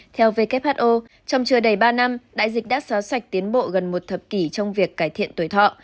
theo who trong chưa đầy ba năm đại dịch đã xóa sạch tiến bộ gần một thập kỷ trong việc cải thiện tuổi thọ